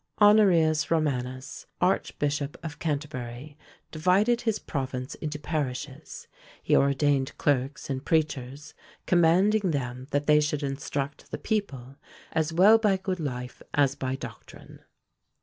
Honorius Romanus, Archbyshope of Canterbury, devided his province into parishes; he ordeyned clerks and prechars, comaunding them that they should instruct the people, as well by good lyfe, as by doctryne.